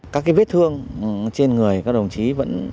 các cái vết thương trên người các đồng chí vẫn hành hạ vẫn đau đớn